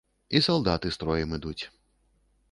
І салдаты строем ідуць.